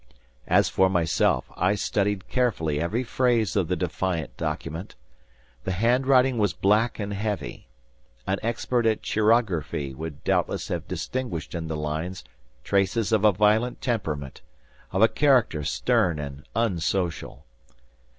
As for myself, I studied carefully every phrase of the defiant document. The hand writing was black and heavy. An expert at chirography would doubtless have distinguished in the lines traces of a violent temperament, of a character stern and unsocial.